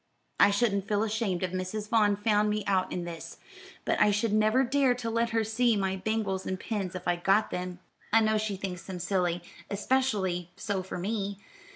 "I shouldn't feel ashamed if Mrs. Vaughn found me out in this, but I should never dare to let her see my bangles and pins, if I got them. I know she thinks them silly, especially so for me.